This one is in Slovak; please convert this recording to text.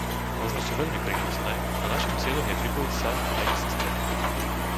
Možno sú veľmi prínosné, no našim cieľom je pripojiť sa na ich systém.